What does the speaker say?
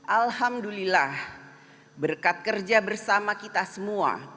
alhamdulillah berkat kerja bersama kita semua